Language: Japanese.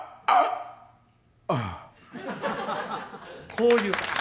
こういう。